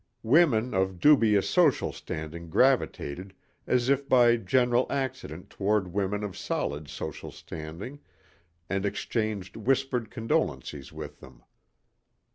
Women of dubious social standing gravitated as if by general accident toward women of solid social standing and exchanged whispered condolences with them.